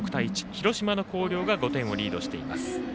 広島の広陵が５点をリードしています。